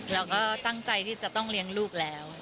เราก็ตั้งใจที่จะต้องเลี้ยงลูกแล้ว